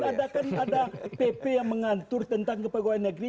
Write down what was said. ada kan ada pp yang mengantur tentang kepeguan negeri